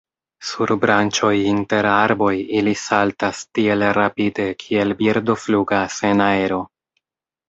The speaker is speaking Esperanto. Sur branĉoj inter arboj ili saltas tiel rapide kiel birdo flugas en aero.